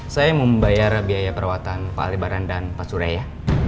saya mau membayar biaya perawatan pak al libaran dan pak surya ya